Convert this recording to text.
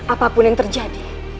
apapun yang terjadi